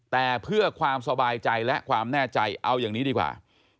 แต่เพื่อความสบายใจและความแน่ใจเอาอย่างนี้ดีกว่า